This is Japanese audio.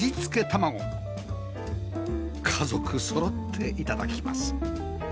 家族そろって頂きます